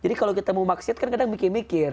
jadi kalau kita mau maksiat kan kadang mikir mikir